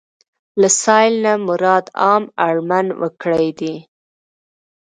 له سايل نه مراد عام اړمن وګړي دي.